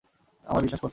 আমায় বিশ্বাস করতে হবে।